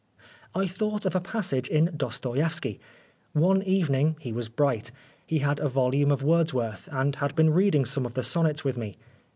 I thought of a passage in Dostoievski. One evening he was bright. He had a volume of Words worth, and had been reading some of the sonnets with me.